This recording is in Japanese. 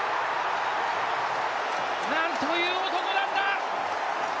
なんという男なんだ。